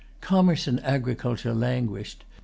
Commerce and agriculture languished.